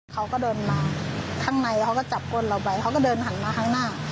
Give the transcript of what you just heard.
เขาก็เดินมาข้างในเขาก็จับก้นเราไปเขาก็เดินหันมาข้างหน้า